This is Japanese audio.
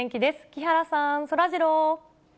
木原さん、そらジロー。